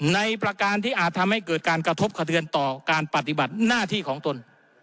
ในประการที่อาจจะเกิดการกระทบคทื่นตัวการปฏิบัติหน้าที่ของตน